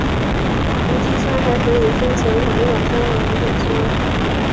无机酸还可以分成含氧酸和无氧酸。